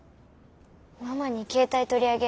ママに携帯取り上げられて。